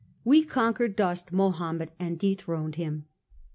We conquered Dost Mahomed and dethroned him.